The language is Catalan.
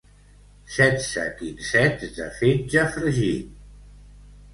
Setze quinzets de fetge fregit.